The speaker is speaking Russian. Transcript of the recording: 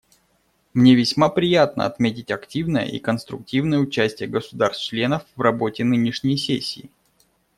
Мне весьма приятно отметить активное и конструктивное участие государств-членов в работе нынешней сессии.